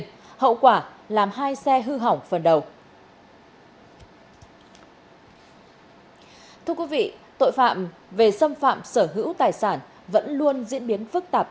thưa quý vị tội phạm về xâm phạm sở hữu tài sản vẫn luôn diễn biến phức tạp